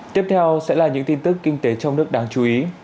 tiếp theo sẽ là những tin tức kinh tế trong nước đáng chú ý